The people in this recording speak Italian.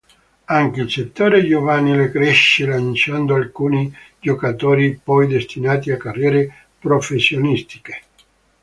Anche il settore giovanile cresce, lanciando alcuni giocatori poi destinati a carriere professionistiche.